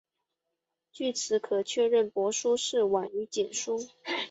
据此可确认帛书是晚于简书。